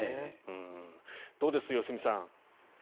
どうです、良純さん。